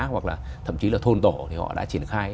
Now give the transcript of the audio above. hoặc là thậm chí là thôn tổ thì họ đã triển khai